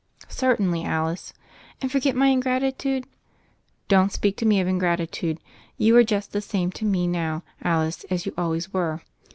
"Certainly, Alice." "And forget my ingratitude?" "Don't speak to me of ingratitude. You are just the same to me now, Alice, as you always were."